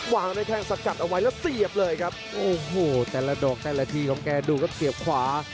วางด้วยแข้งสกัดเอาไว้แล้วเสียบเลยครับโอ้โหแต่ละดอกแต่ละทีของแกดูครับเสียบขวา